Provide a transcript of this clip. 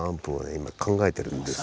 今考えてるんです。